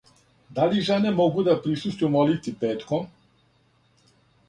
Да ли жене могу да присуствују молитви петком?